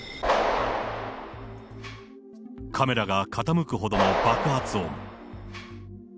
カメラが傾くほどの爆発音。